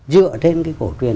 dựa trên cái cổ truyền